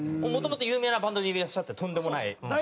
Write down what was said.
もともと有名なバンドにいらっしゃったとんでもない。